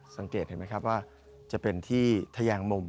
สังเกตเห็นไหมครับว่าจะเป็นที่ทะยางมุม